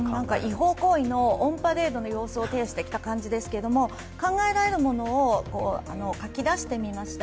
違法行為のオンパレードの様相を呈してきた感じですけど、考えられるものを書き出してみました。